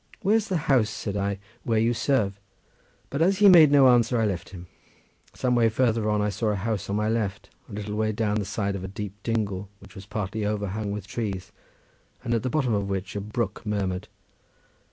"Where's the house," said I, "where you serve?" But as he made no answer I left him. Some way further on I saw a house on my left, a little way down the side of a deep dingle, which was partly overhung with trees, and at the bottom of which a brook murmured.